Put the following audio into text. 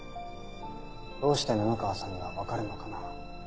どうして布川さんにはわかるのかな。